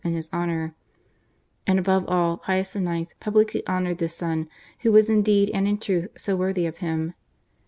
in his honour; and, above all, Pius IX. publicly honoured this son who was in deed and in truth so worthy of him.